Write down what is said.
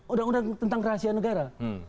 udah tentang rahasia negara